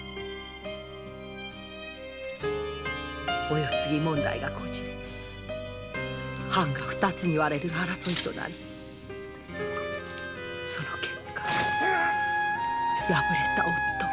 お世継ぎ問題がこじれ藩が二つに割れる争いとなりその結果敗れた夫は。